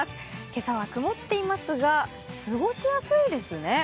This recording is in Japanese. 今朝は曇っていますが、過ごしやすいですね。